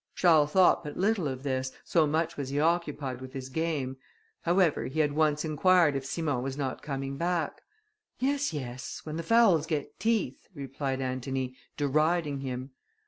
Charles thought but little of this, so much was he occupied with his game; however he had once inquired if Simon was not coming back. "Yes, yes! when the fowls get teeth," replied Antony, deriding him.